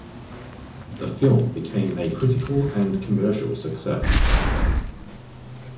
The film became a critical and commercial success.